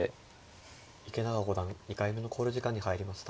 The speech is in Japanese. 池永五段２回目の考慮時間に入りました。